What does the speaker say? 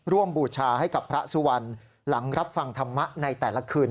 บูชาให้กับพระสุวรรณหลังรับฟังธรรมะในแต่ละคืน